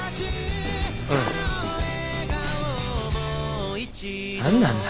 うん。何なんだ。